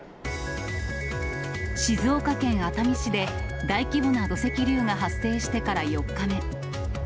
静岡県熱海市で大規模な土石流が発生してから４日目。